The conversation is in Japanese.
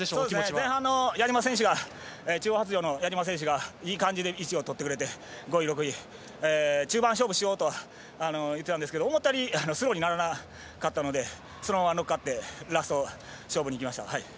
前半の矢嶋選手が中央発條の矢嶋選手がいい感じで位置をとってくれて５位、６位中盤勝負しようと言ってたんですが思ったより長かったのでそのまま乗っかってラスト勝負にいきました。